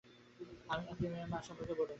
আপনি মেয়ের মা সম্পর্কে কিছু বলুন।